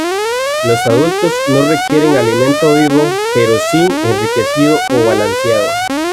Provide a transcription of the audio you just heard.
Los adultos no requieren alimento vivo pero sí enriquecido o balanceado.